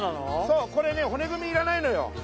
うこれね骨組みいらないのよ。